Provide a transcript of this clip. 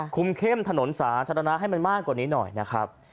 คุมเข้มถนนสาธารณะให้มันมากกว่านี้หน่อยนะครับ